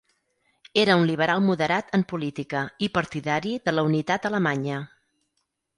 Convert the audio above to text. Era un liberal moderat en política i partidari de la unitat alemanya.